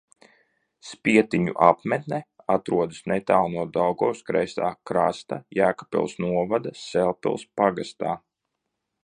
Spietiņu apmetne atrodas netālu no Daugavas kreisā krasta Jēkabpils novada Sēlpils pagastā.